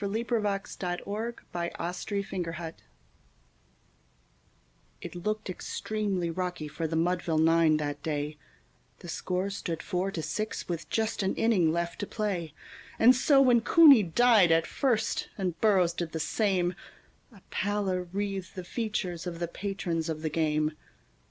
CASEY AT THE BAT BY ERNEST LAWRENCE THAYER It looked extremely rocky for the Mudville nine that day: The score stood four to six with just an inning left to play; And so, when Cooney died at first, and Burrows did the same, A pallor wreathed the features of the patrons of the game.